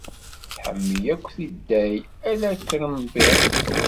Tḥemmel akk tidal, ala akrembiḍ.